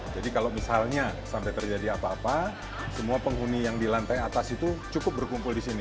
jadi kalau misalnya sampai terjadi apa apa semua penghuni yang di lantai atas itu cukup berkumpul di sini